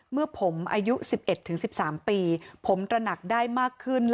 เมื่อผมอายุ๑๑๑๓ปีผมตระหนักได้มากขึ้น